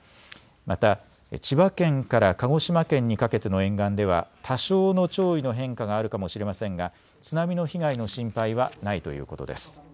また千葉県から鹿児島県にかけての沿岸では多少の潮位の変化があるかもしれませんが津波の被害の心配はないということです。